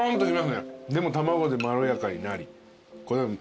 でも卵でまろやかになり。